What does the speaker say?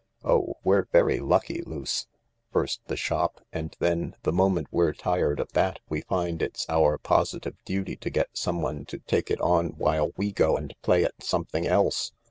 Oh, we 're very lucky, Luce . First the shop — and then the moment we're tired of that we find it's our positive duty to get some M 178 THE LARK one to take it on while we go and play at something else.